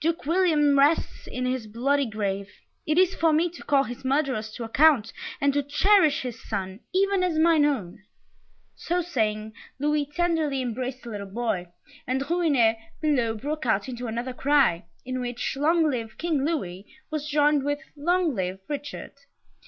Duke William rests in his bloody grave! It is for me to call his murderers to account, and to cherish his son, even as mine own!" So saying, Louis tenderly embraced the little boy, and the Rouennais below broke out into another cry, in which "Long live King Louis," was joined with "Long live Richard!"